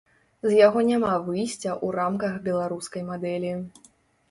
З яго няма выйсця ў рамках беларускай мадэлі.